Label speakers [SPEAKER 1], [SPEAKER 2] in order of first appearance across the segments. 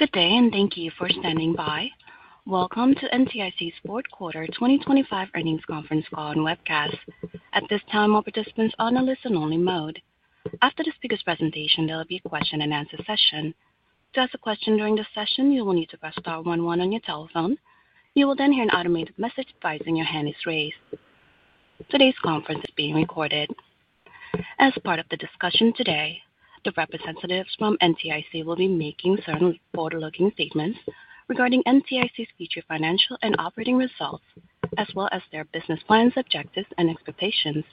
[SPEAKER 1] Good day, and thank you for standing by. Welcome to NTIC's Fourth Quarter 2025 Earnings Conference Call and Webcast. At this time, all participants are on a listen-only mode. After the speaker's presentation, there will be a question-and-answer session. To ask a question during this session, you will need to press star one one on your telephone. You will then hear an automated message advising your hand is raised. Today's conference is being recorded. As part of the discussion today, the representatives from NTIC will be making certain forward-looking statements regarding NTIC's future financial and operating results, as well as their business plans, objectives, and expectations.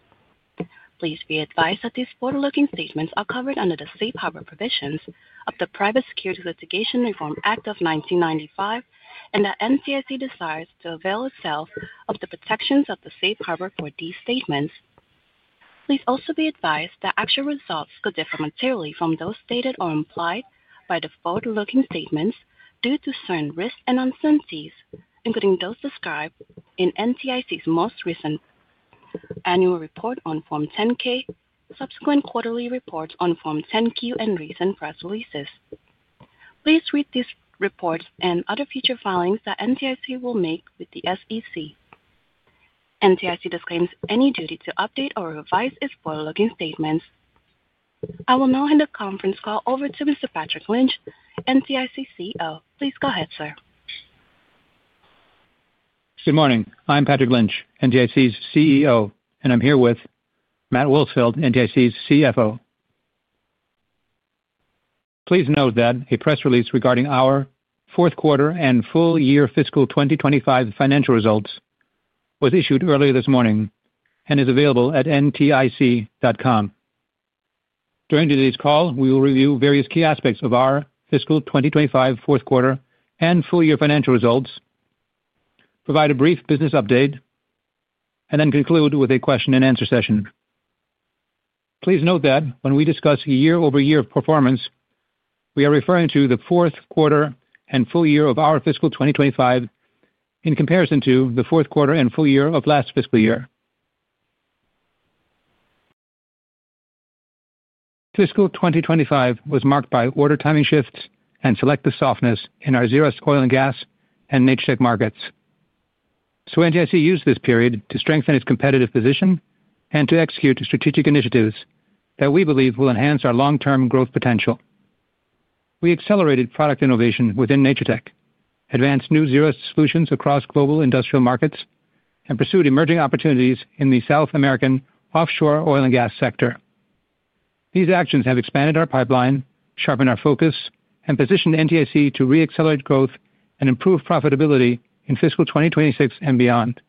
[SPEAKER 1] Please be advised that these forward-looking statements are covered under the safe harbor provisions of the Private Securities Litigation Reform Act of 1995, and that NTIC desires to avail itself of the protections of the safe harbor for these statements. Please also be advised that actual results could differ materially from those stated or implied by the forward-looking statements due to certain risks and uncertainties, including those described in NTIC's most recent annual report on Form 10-K, subsequent quarterly reports on Form 10-Q, and recent press releases. Please read these reports and other future filings that NTIC will make with the SEC. NTIC disclaims any duty to update or revise its forward-looking statements. I will now hand the conference call over to Mr. Patrick Lynch, NTIC CEO. Please go ahead, sir.
[SPEAKER 2] Good morning. I'm Patrick Lynch, NTIC's CEO, and I'm here with Matt Wolsfeld, NTIC's CFO. Please note that a press release regarding our fourth quarter and full-year fiscal 2025 financial results was issued earlier this morning and is available at ntic.com. During today's call, we will review various key aspects of our fiscal 2025 fourth quarter and full-year financial results, provide a brief business update, and then conclude with a question-and-answer session. Please note that when we discuss year-over-year performance, we are referring to the fourth quarter and full year of our fiscal 2025 in comparison to the fourth quarter and full year of last fiscal year. Fiscal 2025 was marked by order timing shifts and selective softness in our Zerust oil and gas and Natur-Tec markets, so NTIC used this period to strengthen its competitive position and to execute strategic initiatives that we believe will enhance our long-term growth potential. We accelerated product innovation within Natur-Tec, advanced new Zerust solutions across global industrial markets, and pursued emerging opportunities in the South American offshore oil and gas sector. These actions have expanded our pipeline, sharpened our focus, and positioned NTIC to re-accelerate growth and improve profitability in fiscal 2026 and beyond.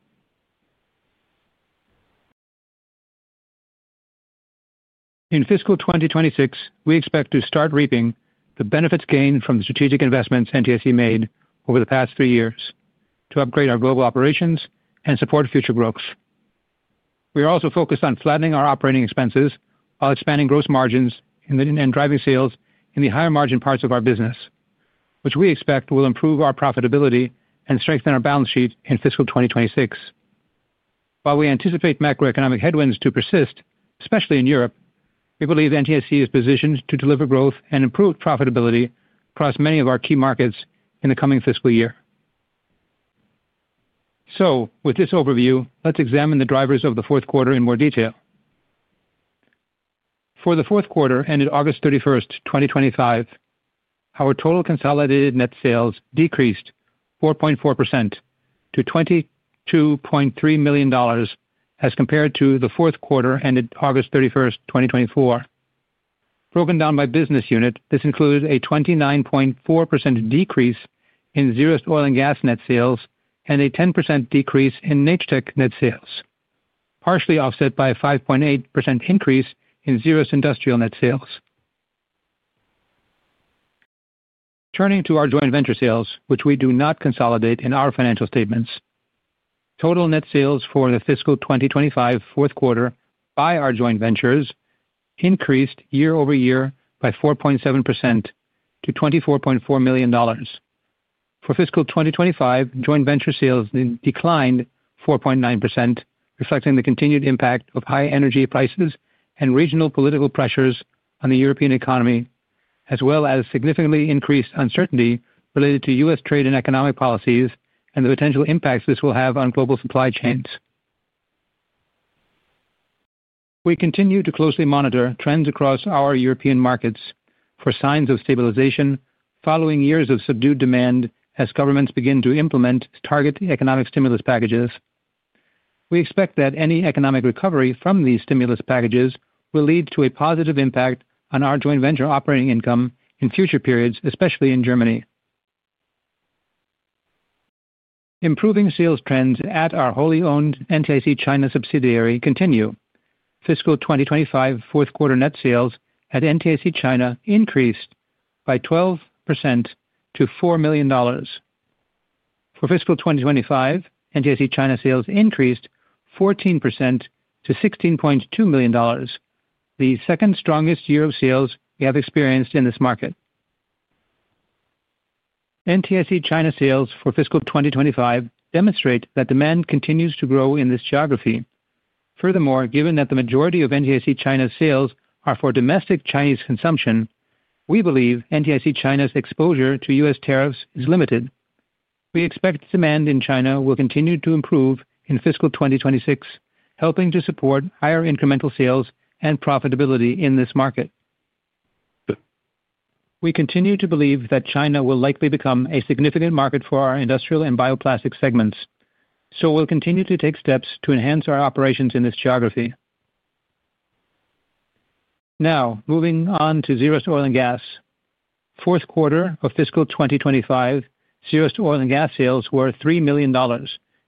[SPEAKER 2] In fiscal 2026, we expect to start reaping the benefits gained from the strategic investments NTIC made over the past three years to upgrade our global operations and support future growth. We are also focused on flattening our operating expenses while expanding gross margins and driving sales in the higher-margin parts of our business, which we expect will improve our profitability and strengthen our balance sheet in fiscal 2026. While we anticipate macroeconomic headwinds to persist, especially in Europe, we believe NTIC is positioned to deliver growth and improved profitability across many of our key markets in the coming fiscal year. With this overview, let's examine the drivers of the fourth quarter in more detail. For the fourth quarter ended August 31, 2025, our total consolidated net sales decreased 4.4% to $22.3 million as compared to the fourth quarter ended August 31, 2024. Broken down by business unit, this included a 29.4% decrease in Zerust oil and gas net sales and a 10% decrease in Natur-Tec net sales, partially offset by a 5.8% increase in Zerust industrial net sales. Turning to our joint venture sales, which we do not consolidate in our financial statements, total net sales for the fiscal 2025 fourth quarter by our joint ventures increased year-over-year by 4.7% to $24.4 million. For fiscal 2025, joint venture sales declined 4.9%, reflecting the continued impact of high energy prices and regional political pressures on the European economy, as well as significantly increased uncertainty related to U.S. trade and economic policies and the potential impacts this will have on global supply chains. We continue to closely monitor trends across our European markets for signs of stabilization following years of subdued demand as governments begin to implement target economic stimulus packages. We expect that any economic recovery from these stimulus packages will lead to a positive impact on our joint venture operating income in future periods, especially in Germany. Improving sales trends at our wholly-owned NTIC China subsidiary continue. Fiscal 2025 fourth quarter net sales at NTIC China increased by 12% to $4 million. For fiscal 2025, NTIC China sales increased 14% to $16.2 million, the second strongest year of sales we have experienced in this market. NTIC China sales for fiscal 2025 demonstrate that demand continues to grow in this geography. Furthermore, given that the majority of NTIC China's sales are for domestic Chinese consumption, we believe NTIC China's exposure to U.S. tariffs is limited. We expect demand in China will continue to improve in fiscal 2026, helping to support higher incremental sales and profitability in this market. We continue to believe that China will likely become a significant market for our industrial and bioplastic segments, so we'll continue to take steps to enhance our operations in this geography. Now, moving on to zero-export oil and gas. Fourth quarter of fiscal 2025, Zerust oil and gas sales were $3 million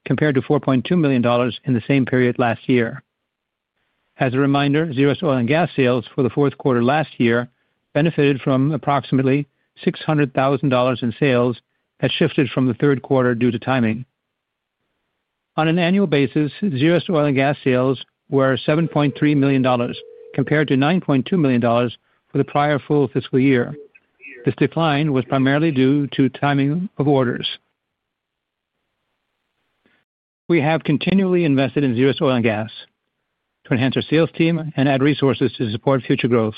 [SPEAKER 2] compared to $4.2 million in the same period last year. As a reminder, Zerust oil and gas sales for the fourth quarter last year benefited from approximately $600,000 in sales that shifted from the third quarter due to timing. On an annual basis, Zerust oil and gas sales were $7.3 million compared to $9.2 million for the prior full fiscal year. This decline was primarily due to timing of orders. We have continually invested in Zerust oil and gas to enhance our sales team and add resources to support future growth.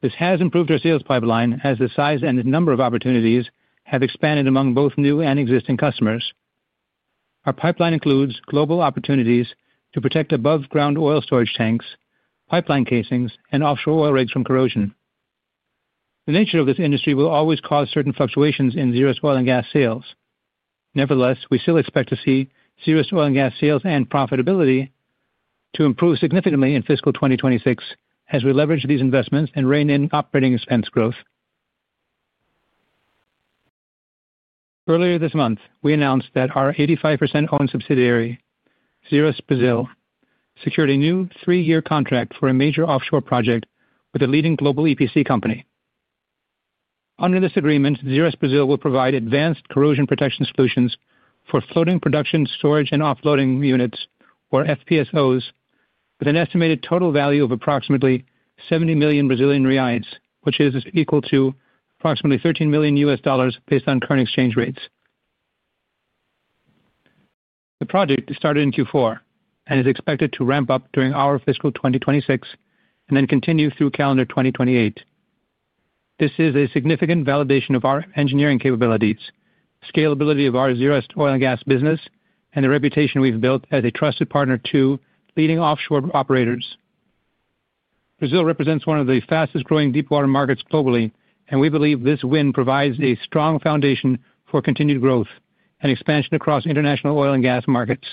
[SPEAKER 2] This has improved our sales pipeline as the size and number of opportunities have expanded among both new and existing customers. Our pipeline includes global opportunities to protect above-ground oil storage tanks, pipeline casings, and offshore oil rigs from corrosion. The nature of this industry will always cause certain fluctuations in Zerust oil and gas sales. Nevertheless, we still expect to see Zerust oil and gas sales and profitability improve significantly in fiscal 2026 as we leverage these investments and rein in operating expense growth. Earlier this month, we announced that our 85%-owned subsidiary, Zirus Brazil, secured a new three-year contract for a major offshore project with a leading global EPC company. Under this agreement, Zirus Brazil will provide advanced corrosion protection solutions for floating production, storage, and offloading units, or FPSOs, with an estimated total value of approximately 70 million Brazilian reais, which is equal to approximately $13 million based on current exchange rates. The project started in Q4 and is expected to ramp up during our fiscal 2026 and then continue through calendar 2028. This is a significant validation of our engineering capabilities, scalability of our Zerust oil and gas business, and the reputation we've built as a trusted partner to leading offshore operators. Brazil represents one of the fastest-growing deep-water markets globally, and we believe this win provides a strong foundation for continued growth and expansion across international oil and gas markets.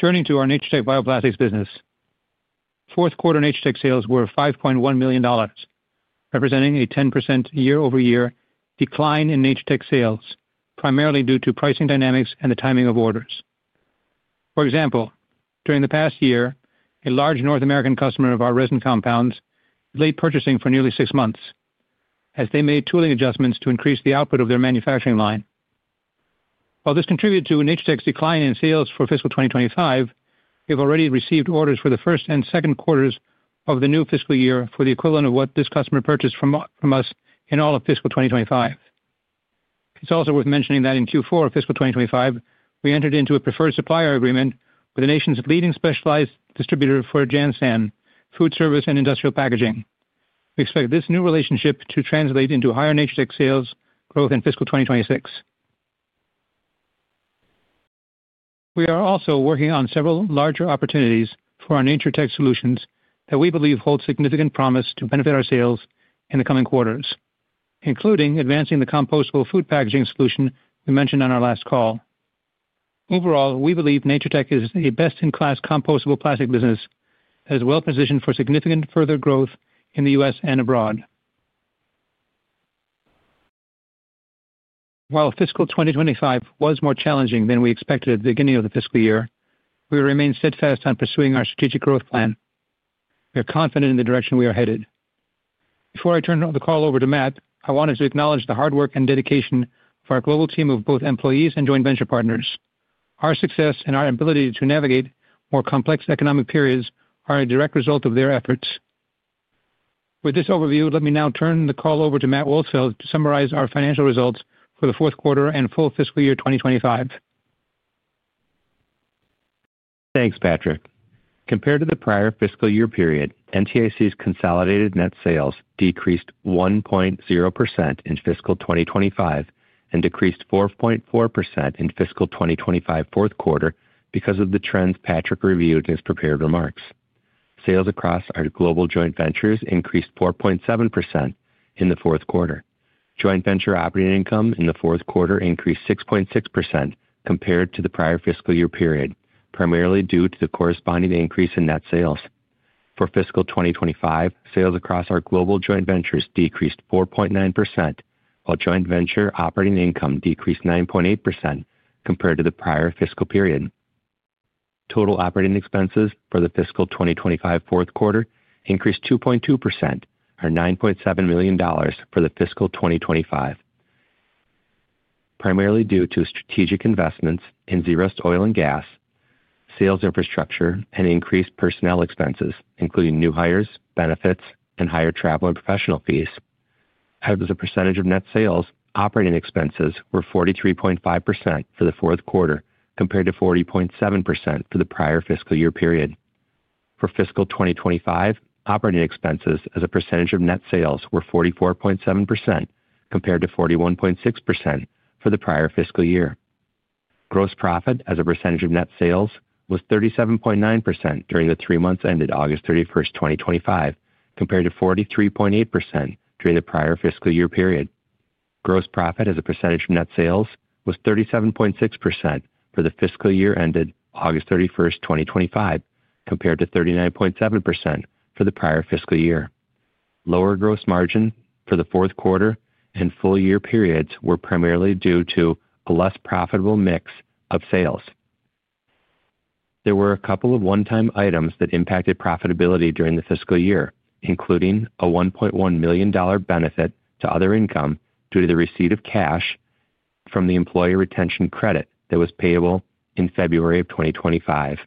[SPEAKER 2] Turning to our Natur-Tec bioplastics business, fourth quarter Natur-Tec sales were $5.1 million, representing a 10% year-over-year decline in Natur-Tec sales, primarily due to pricing dynamics and the timing of orders. For example, during the past year, a large North American customer of our resin compounds delayed purchasing for nearly six months as they made tooling adjustments to increase the output of their manufacturing line. While this contributed to Natur-Tec's decline in sales for fiscal 2025, we have already received orders for the first and second quarters of the new fiscal year for the equivalent of what this customer purchased from us in all of fiscal 2025. It's also worth mentioning that in Q4 of fiscal 2025, we entered into a preferred supplier agreement with the nation's leading specialized distributor for Janssen, food service and industrial packaging. We expect this new relationship to translate into higher Natur-Tec sales growth in fiscal 2026. We are also working on several larger opportunities for our Natur-Tec solutions that we believe hold significant promise to benefit our sales in the coming quarters, including advancing the compostable food packaging solution we mentioned on our last call. Overall, we believe Natur-Tec is a best-in-class compostable plastic business that is well-positioned for significant further growth in the U.S. and abroad. While fiscal 2025 was more challenging than we expected at the beginning of the fiscal year, we remain steadfast on pursuing our strategic growth plan. We are confident in the direction we are headed. Before I turn the call over to Matt, I wanted to acknowledge the hard work and dedication of our global team of both employees and joint venture partners. Our success and our ability to navigate more complex economic periods are a direct result of their efforts. With this overview, let me now turn the call over to Matt Wolsfeld to summarize our financial results for the fourth quarter and full fiscal year 2025.
[SPEAKER 3] Thanks, Patrick. Compared to the prior fiscal year period, NTIC's consolidated net sales decreased 1.0% in fiscal 2025 and decreased 4.4% in fiscal 2025 fourth quarter because of the trends Patrick reviewed in his prepared remarks. Sales across our global joint ventures increased 4.7% in the fourth quarter. Joint venture operating income in the fourth quarter increased 6.6% compared to the prior fiscal year period, primarily due to the corresponding increase in net sales. For fiscal 2025, sales across our global joint ventures decreased 4.9%, while joint venture operating income decreased 9.8% compared to the prior fiscal period. Total operating expenses for the fiscal 2025 fourth quarter increased 2.2%, or $9.7 million for the fiscal 2025, primarily due to strategic investments in Zerust oil and gas, sales infrastructure, and increased personnel expenses, including new hires, benefits, and higher travel and professional fees. As a percentage of net sales, operating expenses were 43.5% for the fourth quarter compared to 40.7% for the prior fiscal year period. For fiscal 2025, operating expenses as a percentage of net sales were 44.7% compared to 41.6% for the prior fiscal year. Gross profit as a percentage of net sales was 37.9% during the three months ended August 31, 2025, compared to 43.8% during the prior fiscal year period. Gross profit as a percentage of net sales was 37.6% for the fiscal year ended August 31, 2025, compared to 39.7% for the prior fiscal year. Lower gross margin for the fourth quarter and full year periods were primarily due to a less profitable mix of sales. There were a couple of one-time items that impacted profitability during the fiscal year, including a $1.1 million benefit to other income due to the receipt of cash from the employee retention credit that was payable in February of 2025.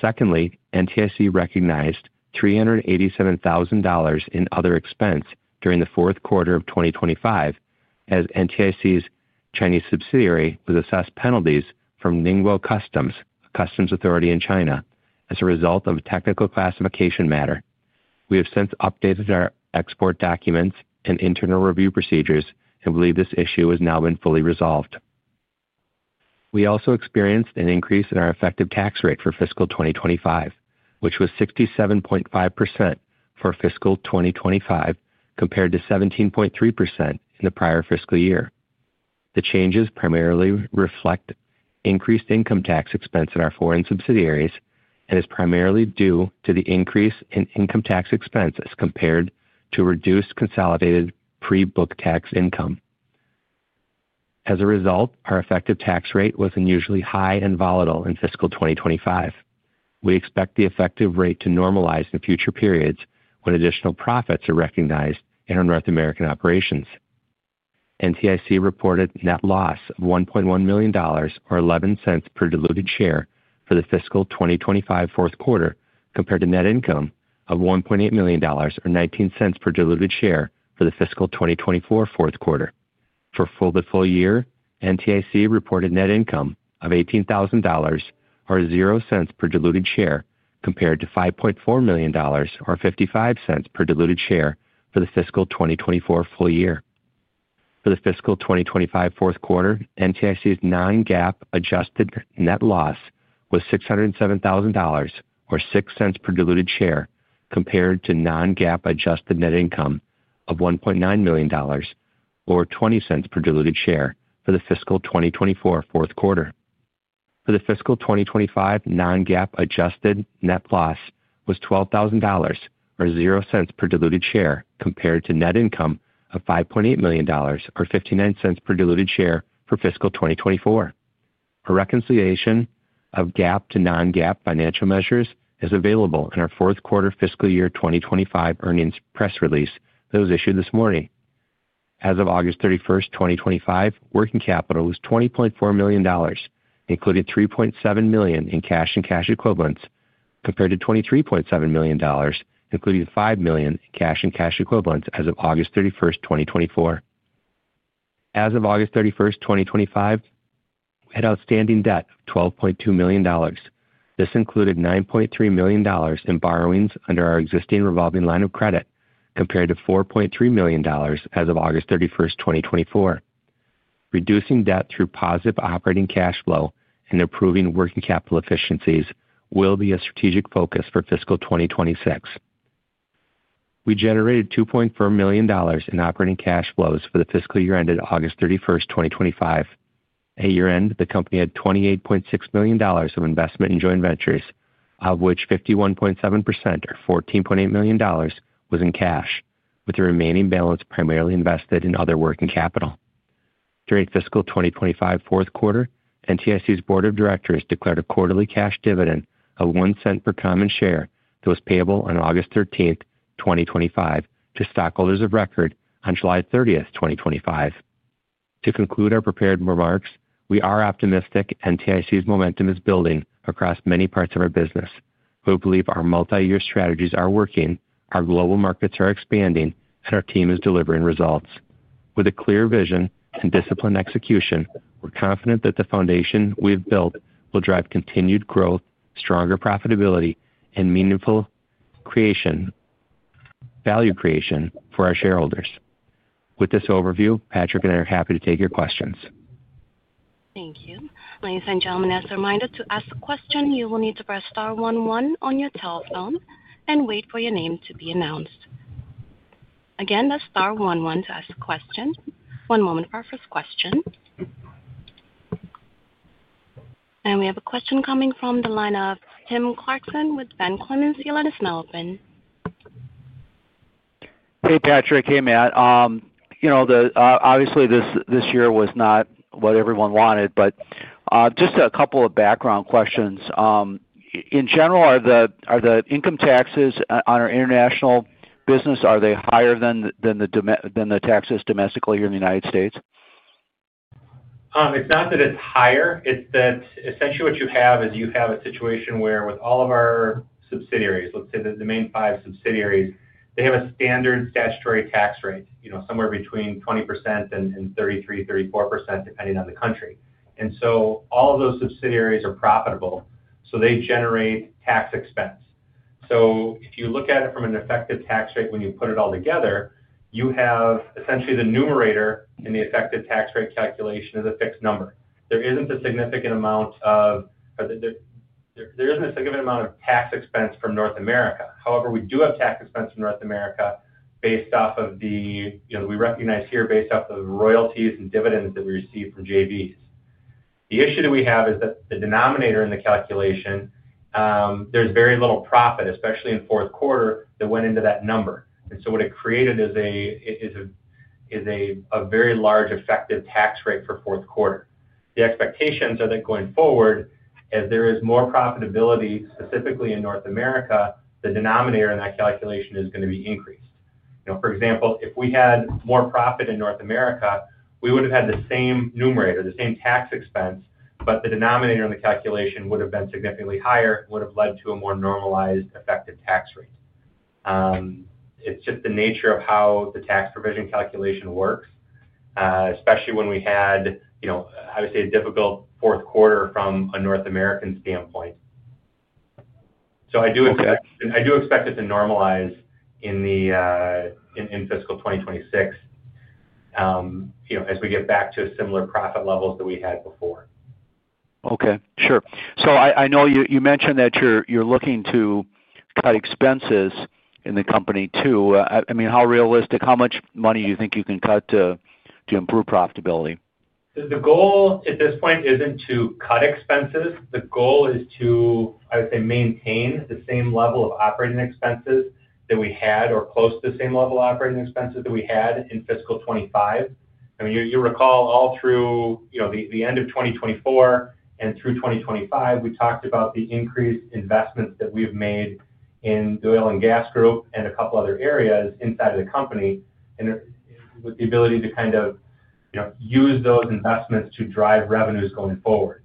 [SPEAKER 3] Secondly, NTIC recognized $387,000 in other expense during the fourth quarter of 2025 as NTIC's Chinese subsidiary was assessed penalties from Ningbo Customs, a customs authority in China, as a result of a technical classification matter. We have since updated our export documents and internal review procedures and believe this issue has now been fully resolved. We also experienced an increase in our effective tax rate for fiscal 2025, which was 67.5% for fiscal 2025 compared to 17.3% in the prior fiscal year. The changes primarily reflect increased income tax expense in our foreign subsidiaries and is primarily due to the increase in income tax expense as compared to reduced consolidated pre-tax income. As a result, our effective tax rate was unusually high and volatile in fiscal 2025. We expect the effective rate to normalize in future periods when additional profits are recognized in our North American operations. NTIC reported net loss of $1.1 million, or $0.11 per diluted share for the fiscal 2025 fourth quarter, compared to net income of $1.8 million, or $0.19 per diluted share for the fiscal 2024 fourth quarter. For full-to-full year, NTIC reported net income of $18,000, or $0.00 per diluted share, compared to $5.4 million, or $0.55 per diluted share for the fiscal 2024 full year. For the fiscal 2025 fourth quarter, NTIC's non-GAAP adjusted net loss was $607,000, or $0.06 per diluted share, compared to non-GAAP adjusted net income of $1.9 million, or $0.20 per diluted share for the fiscal 2024 fourth quarter. For the fiscal 2025, non-GAAP adjusted net loss was $12,000, or $0.00 per diluted share, compared to net income of $5.8 million, or $0.59 per diluted share for fiscal 2024. A reconciliation of GAAP to non-GAAP financial measures is available in our fourth quarter fiscal year 2025 earnings press release that was issued this morning. As of August 31, 2025, working capital was $20.4 million, including $3.7 million in cash and cash equivalents, compared to $23.7 million, including $5 million in cash and cash equivalents as of August 31, 2024. As of August 31, 2025, we had outstanding debt of $12.2 million. This included $9.3 million in borrowings under our existing revolving line of credit, compared to $4.3 million as of August 31, 2024. Reducing debt through positive operating cash flow and improving working capital efficiencies will be a strategic focus for fiscal 2026. We generated $2.4 million in operating cash flows for the fiscal year ended August 31, 2025. At year-end, the company had $28.6 million of investment in joint ventures, of which 51.7%, or $14.8 million, was in cash, with the remaining balance primarily invested in other working capital. During fiscal 2025 fourth quarter, NTIC's board of directors declared a quarterly cash dividend of $0.01 per common share that was payable on August 13, 2025, to stockholders of record on July 30, 2025. To conclude our prepared remarks, we are optimistic NTIC's momentum is building across many parts of our business. We believe our multi-year strategies are working, our global markets are expanding, and our team is delivering results. With a clear vision and disciplined execution, we're confident that the foundation we've built will drive continued growth, stronger profitability, and meaningful value creation for our shareholders. With this overview, Patrick and I are happy to take your questions.
[SPEAKER 1] Thank you. Ladies and gentlemen, as a reminder to ask a question, you will need to press star one one on your telephone and wait for your name to be announced. Again, that's star one one to ask a question. One moment for our first question. We have a question coming from the line of Tim Clarkson with Van Clemens, your line is now open.
[SPEAKER 4] Hey, Patrick. Hey, Matt. You know, obviously, this year was not what everyone wanted, but just a couple of background questions. In general, are the income taxes on our international business, are they higher than the taxes domestically here in the United States?
[SPEAKER 3] It's not that it's higher. It's that essentially what you have is you have a situation where with all of our subsidiaries, let's say the main five subsidiaries, they have a standard statutory tax rate, you know, somewhere between 20% and 33-34%, depending on the country. And so all of those subsidiaries are profitable, so they generate tax expense. If you look at it from an effective tax rate when you put it all together, you have essentially the numerator in the effective tax rate calculation as a fixed number. There isn't a significant amount of, there isn't a significant amount of tax expense from North America. However, we do have tax expense from North America based off of the, you know, we recognize here based off of the royalties and dividends that we receive from JVs. The issue that we have is that the denominator in the calculation, there's very little profit, especially in fourth quarter, that went into that number. And so what it created is a very large effective tax rate for fourth quarter. The expectations are that going forward, as there is more profitability, specifically in North America, the denominator in that calculation is going to be increased. You know, for example, if we had more profit in North America, we would have had the same numerator, the same tax expense, but the denominator in the calculation would have been significantly higher and would have led to a more normalized effective tax rate. It's just the nature of how the tax provision calculation works, especially when we had, you know, I would say a difficult fourth quarter from a North American standpoint. I do expect it to normalize in fiscal 2026, you know, as we get back to similar profit levels that we had before.
[SPEAKER 4] Okay. Sure. I know you mentioned that you're looking to cut expenses in the company too. I mean, how realistic, how much money do you think you can cut to improve profitability?
[SPEAKER 3] The goal at this point isn't to cut expenses. The goal is to, I would say, maintain the same level of operating expenses that we had or close to the same level of operating expenses that we had in fiscal 2025. I mean, you recall all through, you know, the end of 2024 and through 2025, we talked about the increased investments that we've made in the oil and gas group and a couple other areas inside of the company and with the ability to kind of, you know, use those investments to drive revenues going forward.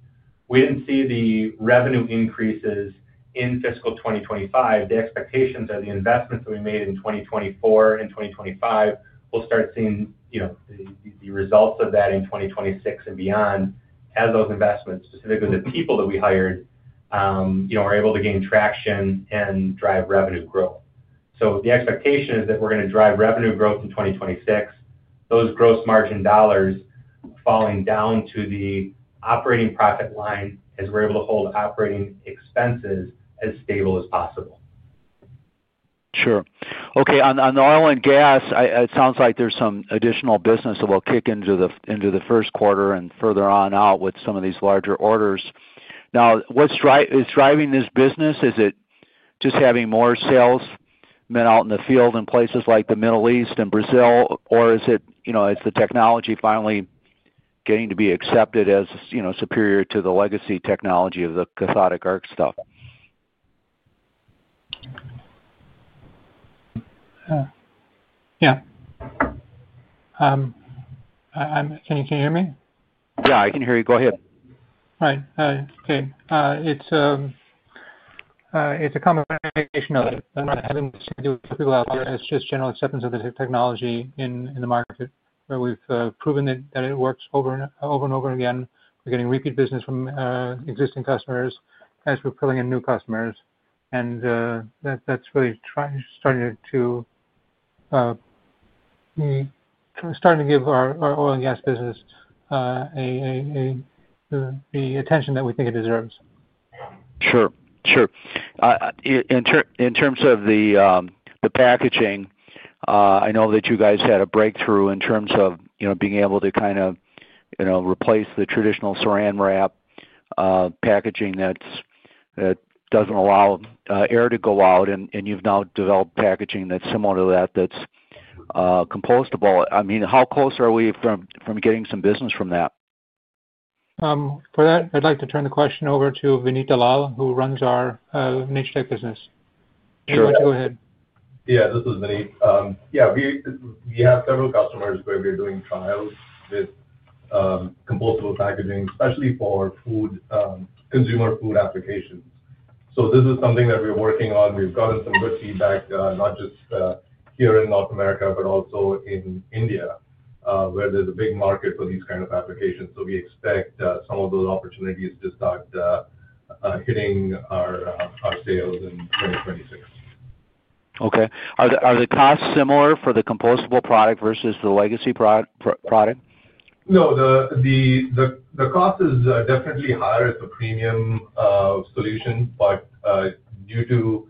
[SPEAKER 3] We didn't see the revenue increases in fiscal 2025. The expectations are the investments that we made in 2024 and 2025. We'll start seeing, you know, the results of that in 2026 and beyond as those investments, specifically the people that we hired, you know, are able to gain traction and drive revenue growth. The expectation is that we're going to drive revenue growth in 2026, those gross margin dollars falling down to the operating profit line as we're able to hold operating expenses as stable as possible.
[SPEAKER 4] Sure. Okay. On oil and gas, it sounds like there is some additional business that will kick into the first quarter and further on out with some of these larger orders. Now, what is driving this business? Is it just having more salesmen out in the field in places like the Middle East and Brazil, or is it, you know, is the technology finally getting to be accepted as, you know, superior to the legacy technology of the cathodic arc stuff?
[SPEAKER 2] Yeah. Can you hear me?
[SPEAKER 4] Yeah, I can hear you. Go ahead.
[SPEAKER 2] Right. Tim. It's a common variation of it. It doesn't have anything to do with people out there. It's just general acceptance of the technology in the market where we've proven that it works over and over and over again. We're getting repeat business from existing customers as we're pulling in new customers. That's really starting to give our oil and gas business the attention that we think it deserves.
[SPEAKER 4] Sure. In terms of the packaging, I know that you guys had a breakthrough in terms of, you know, being able to kind of, you know, replace the traditional Saran Wrap packaging that does not allow air to go out, and you have now developed packaging that is similar to that that is compostable. I mean, how close are we from getting some business from that?
[SPEAKER 2] For that, I'd like to turn the question over to Vinny Dalao, who runs our Natur-Tec business. You want to go ahead.
[SPEAKER 5] Yeah, this is Vinny. Yeah, we have several customers where we're doing trials with compostable packaging, especially for consumer food applications. This is something that we're working on. We've gotten some good feedback, not just here in North America, but also in India, where there's a big market for these kinds of applications. We expect some of those opportunities to start hitting our sales in 2026.
[SPEAKER 4] Okay. Are the costs similar for the compostable product versus the legacy product?
[SPEAKER 5] No, the cost is definitely higher as the premium solution, but due to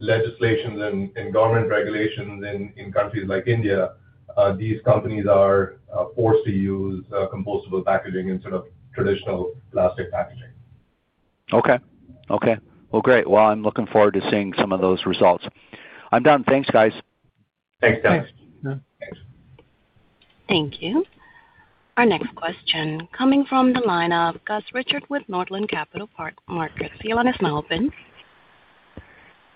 [SPEAKER 5] legislations and government regulations in countries like India, these companies are forced to use compostable packaging instead of traditional plastic packaging.
[SPEAKER 4] Okay. Okay. Great. I'm looking forward to seeing some of those results. I'm done. Thanks, guys.
[SPEAKER 5] Thanks, guys.
[SPEAKER 2] Thanks.
[SPEAKER 1] Thank you. Our next question coming from the line of Gus Richard with Northern Capital Markets, your line is now open.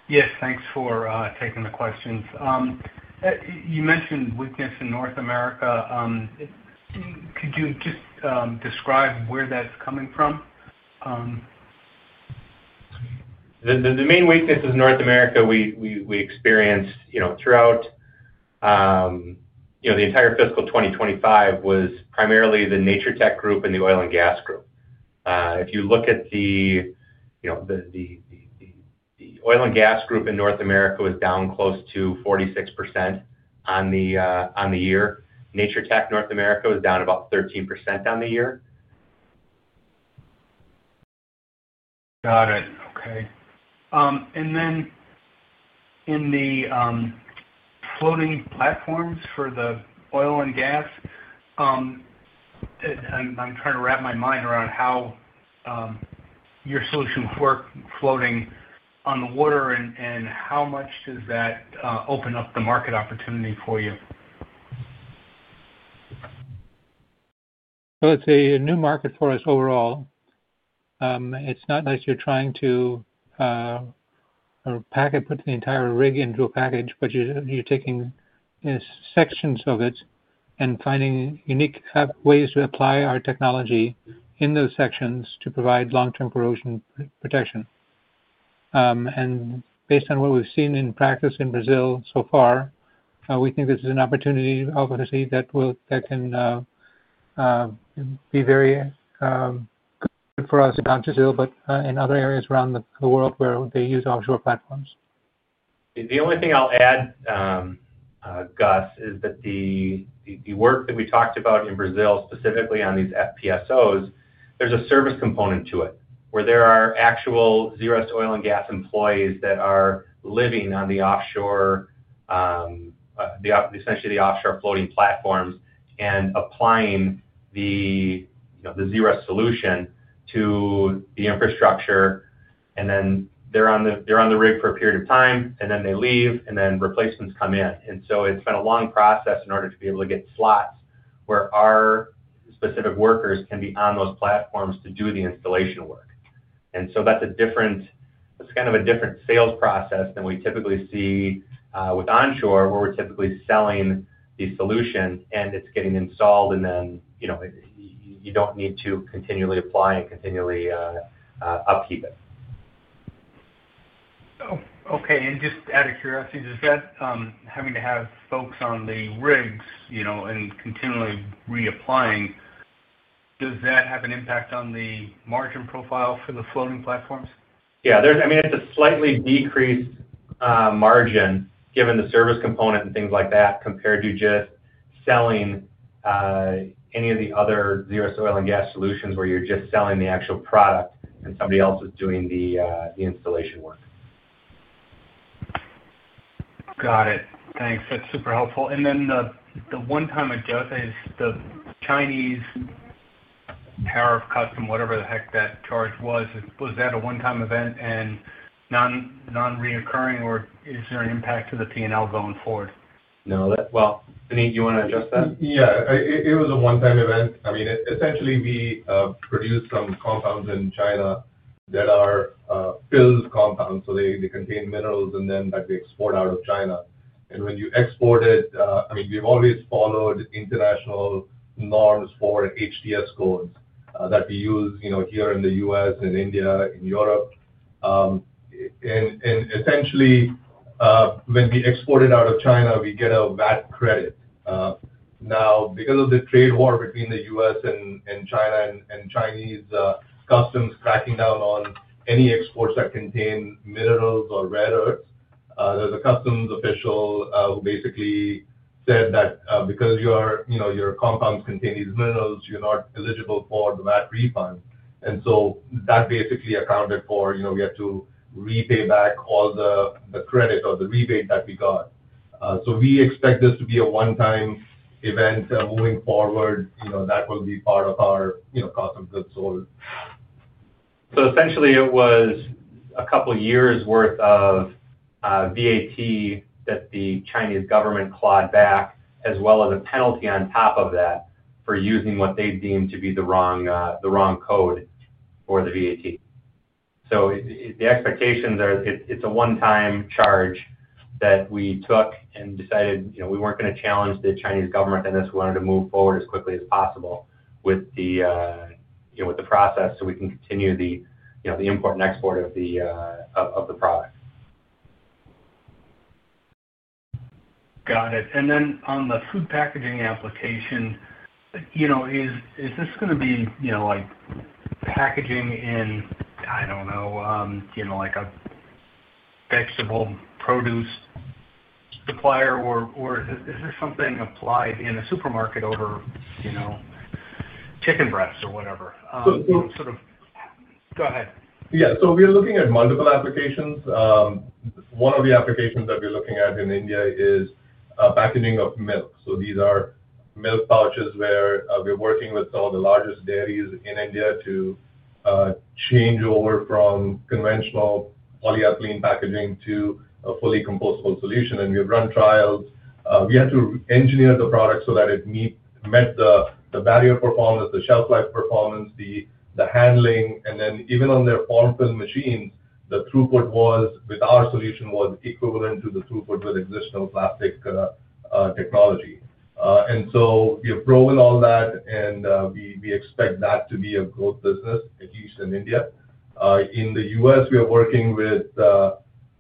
[SPEAKER 6] Yes, thanks for taking the questions. You mentioned weakness in North America. Could you just describe where that's coming from?
[SPEAKER 3] The main weaknesses in North America we experienced throughout, you know, the entire fiscal 2025 was primarily the Natur-Tec group and the oil and gas group. If you look at the, you know, the oil and gas group in North America was down close to 46% on the year. Natur-Tec North America was down about 13% on the year.
[SPEAKER 6] Got it. Okay. In the floating platforms for the oil and gas, I'm trying to wrap my mind around how your solution would work floating on the water and how much does that open up the market opportunity for you?
[SPEAKER 2] It's a new market for us overall. It's not like you're trying to pack it, put the entire rig into a package, but you're taking sections of it and finding unique ways to apply our technology in those sections to provide long-term corrosion protection. Based on what we've seen in practice in Brazil so far, we think this is an opportunity that can be very good for us in Brazil, but in other areas around the world where they use offshore platforms.
[SPEAKER 3] The only thing I'll add, Gus, is that the work that we talked about in Brazil, specifically on these FPSOs, there's a service component to it where there are actual Zerust Oil and Gas employees that are living on the offshore, essentially the offshore floating platforms and applying the Zerust solution to the infrastructure. They are on the rig for a period of time, and then they leave, and then replacements come in. It has been a long process in order to be able to get slots where our specific workers can be on those platforms to do the installation work. That is kind of a different sales process than we typically see with onshore where we're typically selling the solution and it's getting installed and then, you know, you don't need to continually apply and continually upkeep it.
[SPEAKER 6] Okay. And just out of curiosity, does that having to have folks on the rigs, you know, and continually reapplying, does that have an impact on the margin profile for the floating platforms?
[SPEAKER 3] Yeah. I mean, it's a slightly decreased margin given the service component and things like that compared to just selling any of the other Zerust Oil and Gas solutions where you're just selling the actual product and somebody else is doing the installation work.
[SPEAKER 6] Got it. Thanks. That's super helpful. The one-time adjustment, the Chinese tariff custom, whatever the heck that charge was, was that a one-time event and non-reoccurring, or is there an impact to the P&L going forward?
[SPEAKER 5] No. Vinny, you want to address that? Yeah. It was a one-time event. I mean, essentially we produce some compounds in China that are filled compounds. They contain minerals and then we export out of China. When you export it, I mean, we've always followed international norms for HTS codes that we use, you know, here in the U.S., in India, in Europe. Essentially, when we export it out of China, we get a VAT credit. Now, because of the trade war between the U.S. and China and Chinese customs cracking down on any exports that contain minerals or rare earths, there is a customs official who basically said that because your compounds contain these minerals, you're not eligible for the VAT refund. That basically accounted for, you know, we had to repay back all the credit or the rebate that we got. We expect this to be a one-time event moving forward. You know, that will be part of our, you know, cost of goods sold.
[SPEAKER 3] Essentially, it was a couple of years' worth of VAT that the Chinese government clawed back as well as a penalty on top of that for using what they deemed to be the wrong code for the VAT. The expectations are, it's a one-time charge that we took and decided, you know, we weren't going to challenge the Chinese government and this we wanted to move forward as quickly as possible with the, you know, with the process so we can continue the, you know, the import and export of the product.
[SPEAKER 6] Got it. And then on the food packaging application, you know, is this going to be, you know, like packaging in, I do not know, you know, like a vegetable produce supplier or is this something applied in a supermarket over, you know, chicken breasts or whatever? Sort of go ahead.
[SPEAKER 5] Yeah. We're looking at multiple applications. One of the applications that we're looking at in India is packaging of milk. These are milk pouches where we're working with some of the largest dairies in India to change over from conventional polyethylene packaging to a fully compostable solution. We've run trials. We had to engineer the product so that it met the barrier performance, the shelf life performance, the handling, and then even on their form fill machines, the throughput with our solution was equivalent to the throughput with existing plastic technology. We have proven all that and we expect that to be a growth business, at least in India. In the U.S., we are working with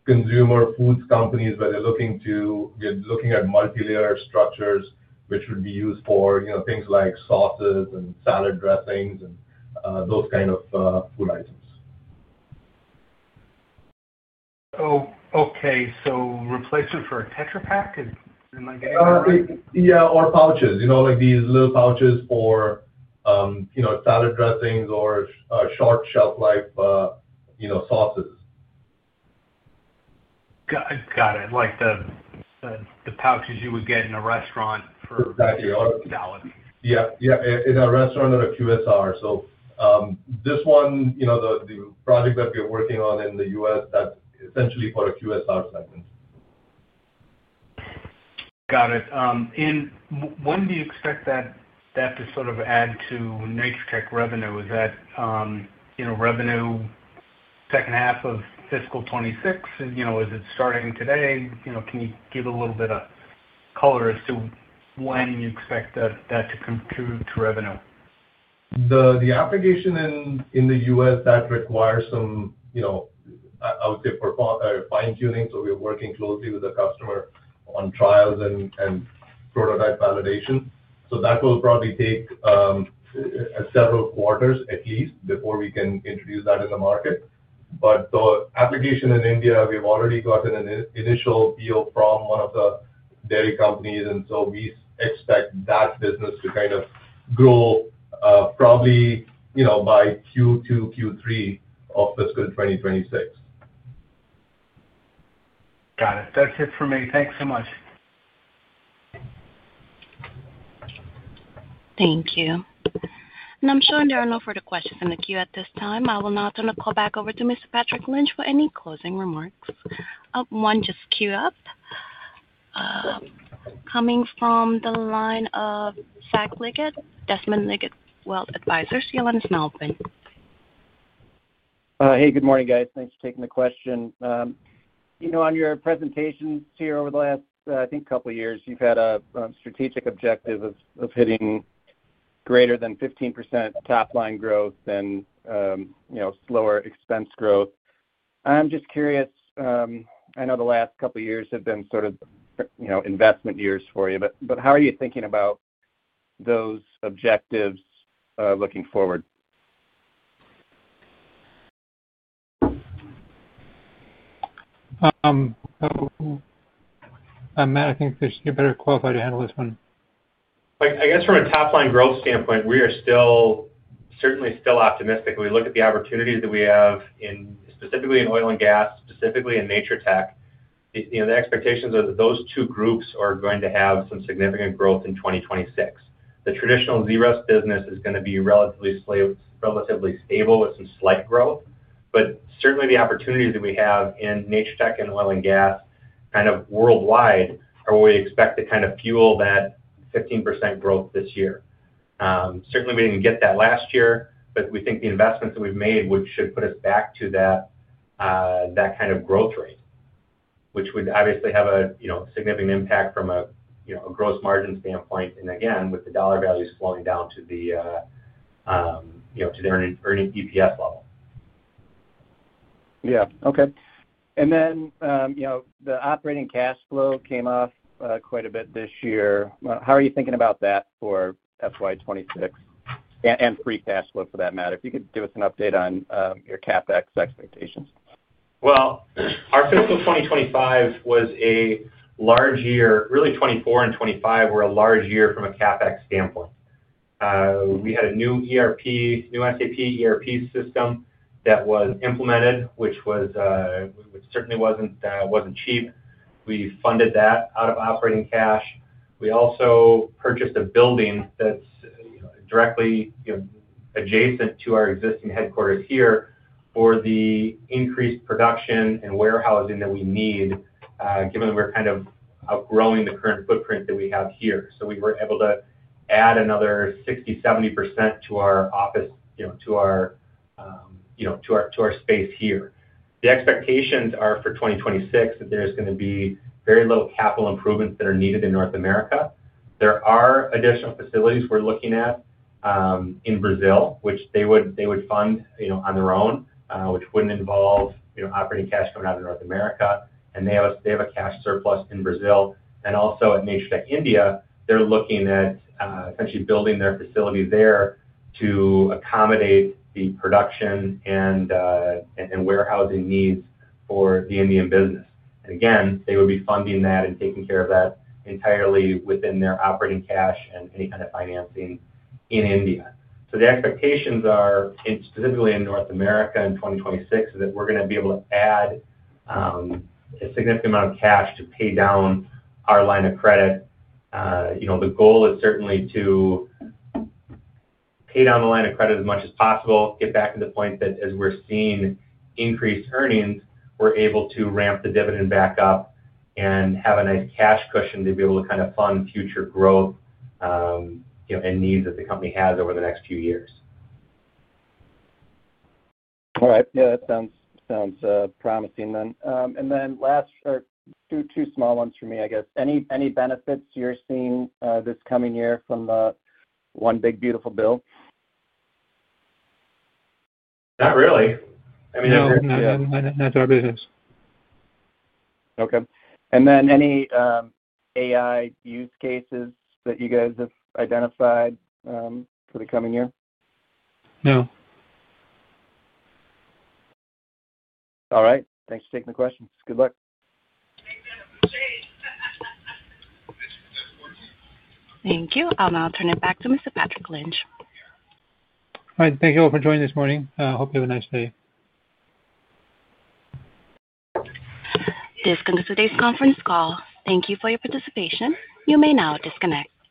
[SPEAKER 5] consumer foods companies where they're looking to, we're looking at multi-layer structures, which would be used for, you know, things like sauces and salad dressings and those kinds of food items.
[SPEAKER 6] Oh, okay. So replacement for a Tetra Pak? Am I getting that right?
[SPEAKER 5] Yeah. Or pouches, you know, like these little pouches for, you know, salad dressings or short shelf life, you know, sauces.
[SPEAKER 6] Got it. Like the pouches you would get in a restaurant for salad?
[SPEAKER 5] Exactly. Yeah. Yeah. In a restaurant or a QSR. This one, you know, the project that we're working on in the U.S., that's essentially for a QSR segment.
[SPEAKER 6] Got it. When do you expect that to sort of add to Natur-Tec revenue? Is that, you know, revenue second half of fiscal 2026? You know, is it starting today? You know, can you give a little bit of color as to when you expect that to contribute to revenue?
[SPEAKER 5] The application in the U.S. that requires some, you know, I would say fine-tuning. We are working closely with the customer on trials and prototype validation. That will probably take several quarters at least before we can introduce that in the market. The application in India, we have already gotten an initial PO from one of the dairy companies. We expect that business to kind of grow probably, you know, by Q2, Q3 of fiscal 2026.
[SPEAKER 6] Got it. That's it for me. Thanks so much.
[SPEAKER 1] Thank you. I am sure there are no further questions in the queue at this time. I will now turn the call back over to Mr. Patrick Lynch for any closing remarks. One just queued up. Coming from the line of Zach Liggett, Desmond Liggett Wealth Advisors, your line is now open.
[SPEAKER 7] Hey, good morning, guys. Thanks for taking the question. You know, on your presentations here over the last, I think, couple of years, you've had a strategic objective of hitting greater than 15% top line growth and, you know, slower expense growth. I'm just curious, I know the last couple of years have been sort of, you know, investment years for you, but how are you thinking about those objectives looking forward?
[SPEAKER 2] Matt, I think you're better qualified to handle this one.
[SPEAKER 3] I guess from a top line growth standpoint, we are still, certainly still optimistic. We look at the opportunities that we have in, specifically in oil and gas, specifically in Natur-Tec. You know, the expectations are that those two groups are going to have some significant growth in 2026. The traditional Zerust business is going to be relatively stable with some slight growth. Certainly the opportunities that we have in Natur-Tec and oil and gas kind of worldwide are what we expect to kind of fuel that 15% growth this year. Certainly we did not get that last year, but we think the investments that we have made should put us back to that kind of growth rate, which would obviously have a, you know, significant impact from a gross margin standpoint. Again, with the dollar values flowing down to the, you know, to their earning EPS level.
[SPEAKER 7] Yeah. Okay. And then, you know, the operating cash flow came off quite a bit this year. How are you thinking about that for FY2026 and pre-cash flow for that matter? If you could give us an update on your CapEx expectations.
[SPEAKER 3] Our fiscal 2025 was a large year. Really, 2024 and 2025 were a large year from a CapEx standpoint. We had a new ERP, new SAP ERP system that was implemented, which certainly was not cheap. We funded that out of operating cash. We also purchased a building that is directly, you know, adjacent to our existing headquarters here for the increased production and warehousing that we need, given that we are kind of outgrowing the current footprint that we have here. We were able to add another 60-70% to our office, you know, to our, you know, to our space here. The expectations are for 2026 that there is going to be very little capital improvements that are needed in North America. There are additional facilities we're looking at in Brazil, which they would fund, you know, on their own, which would not involve, you know, operating cash coming out of North America. They have a cash surplus in Brazil. Also at Natur-Tec India, they're looking at essentially building their facility there to accommodate the production and warehousing needs for the Indian business. Again, they would be funding that and taking care of that entirely within their operating cash and any kind of financing in India. The expectations are, specifically in North America in 2026, that we're going to be able to add a significant amount of cash to pay down our line of credit. You know, the goal is certainly to pay down the line of credit as much as possible, get back to the point that as we're seeing increased earnings, we're able to ramp the dividend back up and have a nice cash cushion to be able to kind of fund future growth, you know, and needs that the company has over the next few years.
[SPEAKER 7] All right. Yeah, that sounds promising then. Last, or two small ones for me, I guess. Any benefits you're seeing this coming year from the one big beautiful bill?
[SPEAKER 3] Not really. I mean.
[SPEAKER 2] No, not to our business.
[SPEAKER 7] Okay. And then any AI use cases that you guys have identified for the coming year?
[SPEAKER 2] No.
[SPEAKER 7] All right. Thanks for taking the questions. Good luck.
[SPEAKER 1] Thank you. I'll now turn it back to Mr. Patrick Lynch.
[SPEAKER 2] All right. Thank you all for joining this morning. I hope you have a nice day.
[SPEAKER 1] This concludes today's conference call. Thank you for your participation. You may now disconnect.